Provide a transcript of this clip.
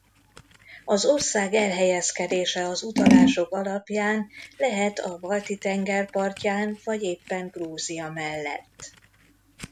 Az ország elhelyezkedése az utalások alapján lehet a Balti-tenger partján vagy éppen Grúzia mellett.